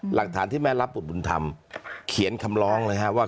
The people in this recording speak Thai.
หลักฐานที่แม่รับบุตรบุญธรรมเขียนคำร้องเลยฮะว่า